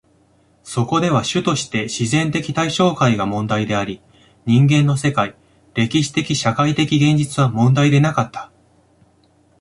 そこでは主として自然的対象界が問題であり、人間の世界、歴史的・社会的現実は問題でなかった。